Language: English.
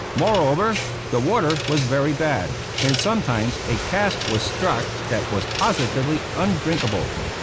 Moreover, the water was very bad, and sometimes a cask was struck that was positively undrinkable.